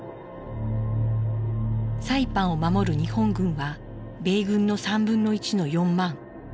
サイパンを守る日本軍は米軍の３分の１の４万。